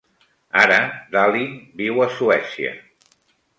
Ara Dahlin viu a Suècia.